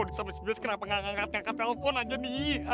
aduh ini sih kalau disampai sebelas kenapa gak ngangkat ngangkat telpon aja nih